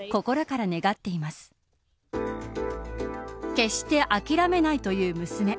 決して諦めないという娘。